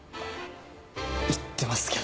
言ってますけど。